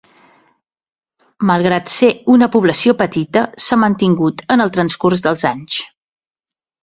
Malgrat ser una població petita s'ha mantingut en el transcurs dels anys.